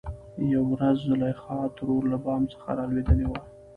يوه ورځ زليخا ترور له بام څخه رالوېدلې وه .